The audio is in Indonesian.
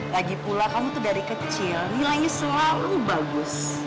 lagipula kamu tuh dari kecil nilainya selalu bagus